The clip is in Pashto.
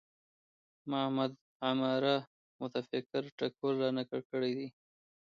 محمد عماره متفکر ټکول رانقل کړی دی